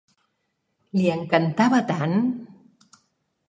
Li encantava tant!